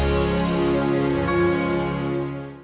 aku akan mencoba